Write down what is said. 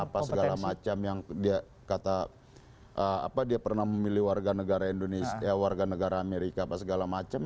apa segala macem yang dia kata apa dia pernah memilih warga negara amerika apa segala macem